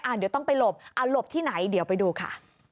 เดี๋ยวต้องไปหลบเอาหลบที่ไหนเดี๋ยวไปดูค่ะ